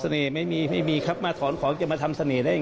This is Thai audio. และปฏิเสธที่ครอบครัวฝ่ายหญิงจะแจ้งความรัก